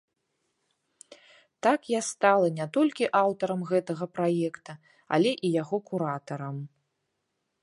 Так я стала не толькі аўтарам гэтага праекта, але і яго куратарам.